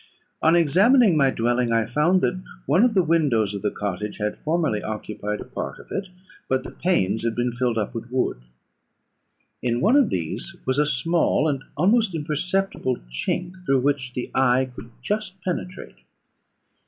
"On examining my dwelling, I found that one of the windows of the cottage had formerly occupied a part of it, but the panes had been filled up with wood. In one of these was a small and almost imperceptible chink, through which the eye could just penetrate.